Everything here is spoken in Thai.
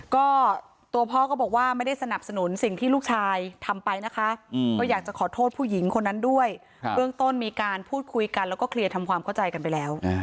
ก็ตัวพ่อก็บอกว่าไม่ได้สนับสนุนสิ่งที่ลูกชายทำไปนะคะก็อยากจะขอโทษผู้หญิงคนนั้นด้วยเบื้องต้นมีการพูดคุยกันแล้วก็เคลียร์ทำความเข้าใจกันไปแล้ว